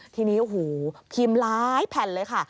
ทีนี้โอ้โหพิมพ์หลายแผ่นเลยค่ะ